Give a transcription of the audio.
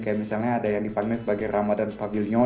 kayak misalnya ada yang dipanggil sebagai ramadhan paviliong